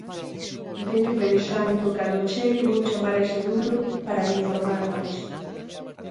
Veño pensando: cando chegue vou chamar a ese número para me informar máis.